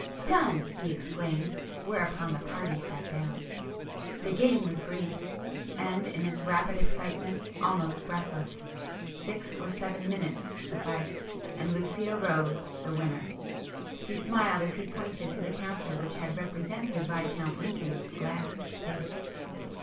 "Done!" he exclaimed; whereupon the party sat down. The game was brief,—and in its rapid excitement, almost breathless. Six or seven minutes sufficed, and Lucio rose, the winner. He smiled as he pointed to the counter which had represented Viscount Lynton's last stake.